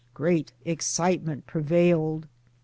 Great ex citement prevailed.